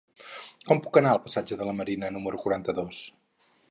Com puc anar al passatge de la Marina número quaranta-dos?